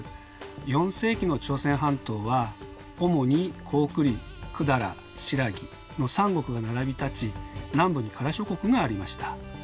４世紀の朝鮮半島は主に高句麗百済新羅の三国が並びたち南部に加羅諸国がありました。